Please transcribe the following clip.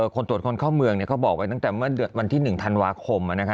คนตรวจคนเข้าเมืองเนี่ยเขาบอกไว้ตั้งแต่วันที่๑ธันวาคมอะนะคะ